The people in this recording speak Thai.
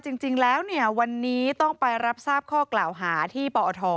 จริงแล้วเนี่ยวันนี้ต้องไปรับทราบข้อกล่าวหาที่ปอท